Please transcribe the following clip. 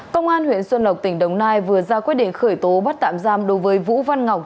công an huyện xuân lộc tỉnh đồng nai vừa ra quyết định khởi tố bắt tạm giam đối với vũ văn ngọc